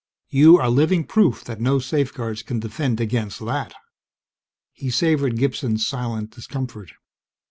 You are living proof that no safeguards can defend against that." He savored Gibson's silent discomfort.